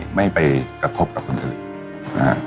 ส่วนความเพียงเราก็ถูกพูดอยู่ตลอดเวลาในเรื่องของความพอเพียง